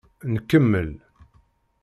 Nkemmel.